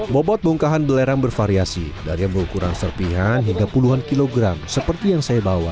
bobot bongkahan belerang bervariasi dari yang berukuran serpihan hingga puluhan kilogram seperti yang saya bawa